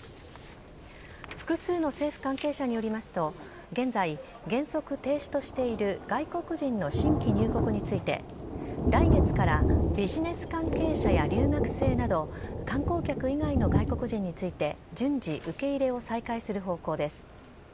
複数の政府関係者によりますと、現在、原則停止としている外国人の新規入国について、来月からビジネス関係者や留学生など、観光客以外の外国人について順次、受け入れを再開する方向です。